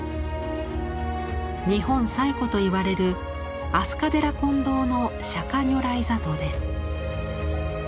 「日本最古」と言われる飛鳥寺金堂の釈如来坐像です。